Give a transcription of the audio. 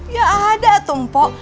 ya ada tung pok